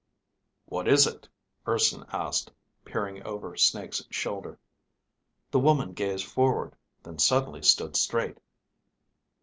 "What is it?" Urson asked, peering over Snake's shoulder. The woman gazed forward, then suddenly stood straight.